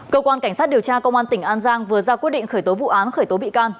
cơ quan cảnh sát điều tra công an tỉnh an giang vừa ra quyết định khởi tố vụ án khởi tố bị can